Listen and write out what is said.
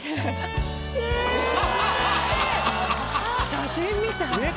写真みたい。